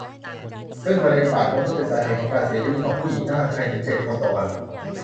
ซึ่งมะเร็งปากมดลูกเป็นสาเหตุการเสียชีวิตของผู้หญิงไทยมากถึง เจ็ด คนต่อวัน